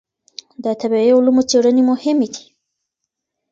د طبعي علومو څېړنې مهمې دي.